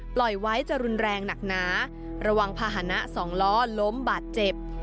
ปล่อยไว้จะรุนแรงหนักหนาระวังภาษณะสองล้อล้มบาดเจ็บ